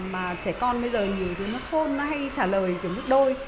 mà trẻ con bây giờ nhiều thứ nó khôn nó hay trả lời về mức đôi